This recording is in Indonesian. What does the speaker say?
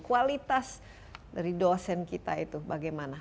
kualitas dari dosen kita itu bagaimana